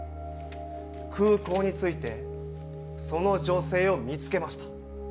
空港に着いて、その女性を見つけました。